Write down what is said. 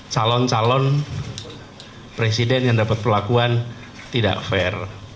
calon calon presiden yang dapat perlakuan tidak fair